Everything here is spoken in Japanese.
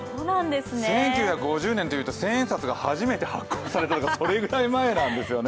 １９５０年というと千円札が初めて発行されたという、それぐらい前なんですよね。